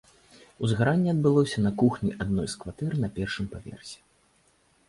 Узгаранне адбылося на кухні адной з кватэр на першым паверсе.